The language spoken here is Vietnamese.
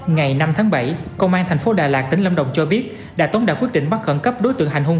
ngày năm tháng bảy công an tp đà lạt tính lâm đồng cho biết đà tống đã quyết định bắt khẩn cấp đối tượng hành hung